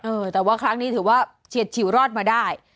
เออแต่ว่าครั้งนี้ถือว่าเฉียดฉิวรอดมาได้